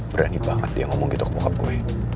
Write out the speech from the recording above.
berani banget dia ngomong gitu ke bokap gue